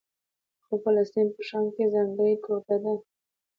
خو فلسطین په شام کې ځانګړې ټوټه ده.